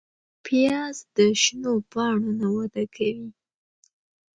پیاز د شنو پاڼو نه وده کوي